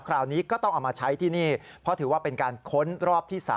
คราวนี้ก็ต้องเอามาใช้ที่นี่เพราะถือว่าเป็นการค้นรอบที่๓